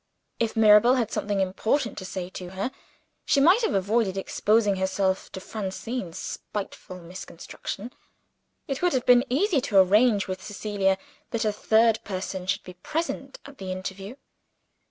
If Mirabel had something of importance to say to her, she might have avoided exposing herself to Francine's spiteful misconstruction: it would have been easy to arrange with Cecilia that a third person should be present at the interview.